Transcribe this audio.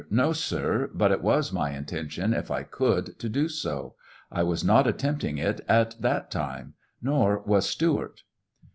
No, sir ; but it was my intention, if I could, to do so. I was not attempting it at that time, nor was Stewart.